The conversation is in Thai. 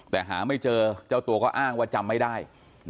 แต่หาไม่เจอเจ้าตัวก็อ้างว่าจำไม่ได้